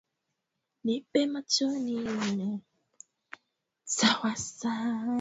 pia kuna habari kuhusiana na rais wa shirikisho la mpira barani asia